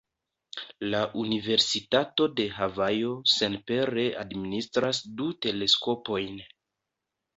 La Universitato de Havajo senpere administras du teleskopojn.